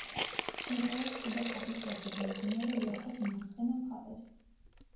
მდებარეობს შიდა ქართლის ვაკეზე, მდინარე ლიახვის მარცხენა მხარეს.